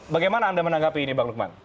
bagaimana anda menanggapi ini bang lukman